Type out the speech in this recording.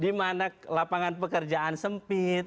di mana lapangan pekerjaan sempit